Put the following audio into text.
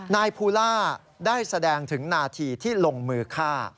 นายภูล่าได้แสดงถึงนาทีที่ลงมือฆ่า